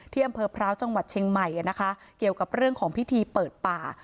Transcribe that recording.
อำเภอพร้าวจังหวัดเชียงใหม่นะคะเกี่ยวกับเรื่องของพิธีเปิดป่า